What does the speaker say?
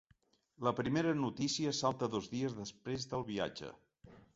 La primera notícia salta dos dies després del viatge.